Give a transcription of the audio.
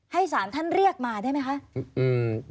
สารท่านเรียกมาได้ไหมคะ